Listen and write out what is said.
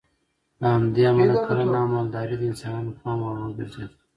له همدې امله کرنه او مالداري د انسانانو پام وړ وګرځېده.